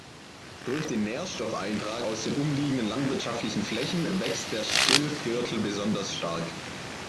Durch den Nährstoffeintrag aus den umliegenden landwirtschaftlichen Flächen wächst der Schilfgürtel besonders stark.